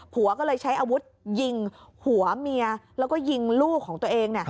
ผัวก็เลยใช้อาวุธยิงหัวเมียแล้วก็ยิงลูกของตัวเอง